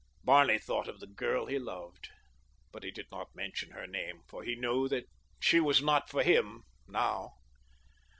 Barney thought of the girl he loved; but he did not mention her name, for he knew that she was not for him now.